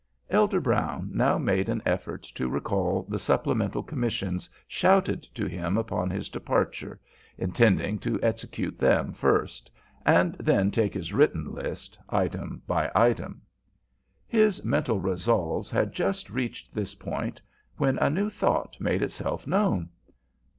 Elder Brown now made an effort to recall the supplemental commissions shouted to him upon his departure, intending to execute them first, and then take his written list item by item. His mental resolves had just reached this point when a new thought made itself known.